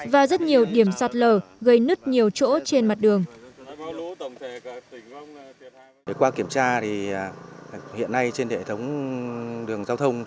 và rất nhiều điểm sạt lở gây nứt nhiều chỗ trên mặt đường